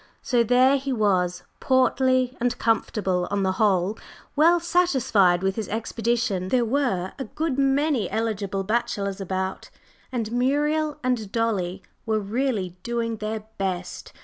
So here he was, portly and comfortable, and on the whole well satisfied with his expedition; there were a good many eligible bachelors about, and Muriel and Dolly were really doing their best.